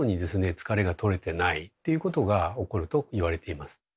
疲れが取れてないっていうことが起こると言われています。